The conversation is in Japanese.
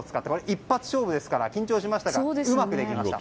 一発勝負ですから緊張しましたがうまくできました。